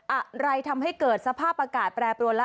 อะไรทำให้เกิดสภาพอากาศแปรปรวนแล้ว